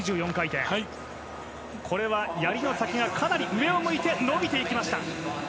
やりの先がかなり上を向いて伸びていきました。